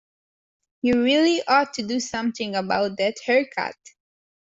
You really ought to do something about that haircut.